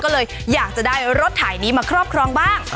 ก็เลยอยากจะได้รถถ่ายนี้มาครอบครองบ้าง